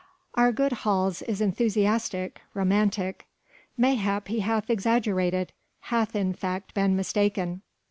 "Our good Hals is enthusiastic, romantic ... mayhap he hath exaggerated ... hath in fact been mistaken...."